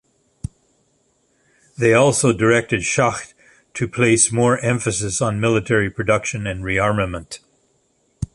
They also directed Schacht to place more emphasis on military production and rearmament.